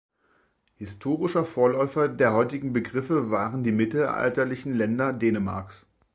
Historischer Vorläufer der heutigen Begriffe waren die mittelalterlichen Länder Dänemarks.